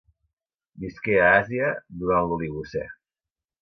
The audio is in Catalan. Visqué a Àsia durant l'Oligocè.